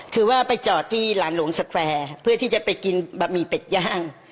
คือว่าไปจอดที่หลานหลวงสแควร์เพื่อที่จะไปกินบะหมี่เป็ดย่าง